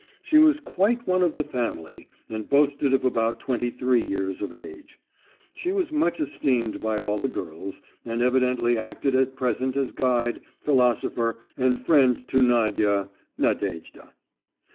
She was quite one of the family, and boasted of about twenty three years of age. She was much esteemed by all the girls, and evidently acted at present as guide, philosopher, and friend to Nadia (Nadejda).